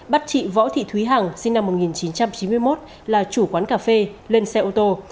bắt chị võ thị thúy hằng sinh năm một nghìn chín trăm chín mươi một là chủ quán cà phê lên xe ô tô